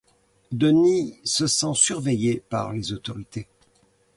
Dennis se sent surveillé par les autorités.